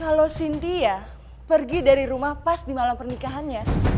halo sintia pergi dari rumah pas di malam pernikahannya